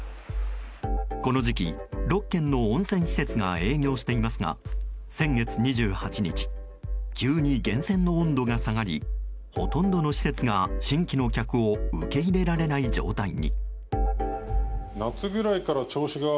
この時期、６軒の温泉施設が営業していますが先月２８日急に源泉の温度が下がりほとんどの施設が新規の客を受け入れられない状態に。